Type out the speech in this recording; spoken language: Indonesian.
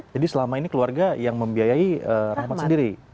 jadi selama ini keluarga yang membiayai rahmat sendiri